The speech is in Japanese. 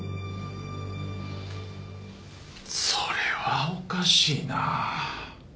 それはおかしいな。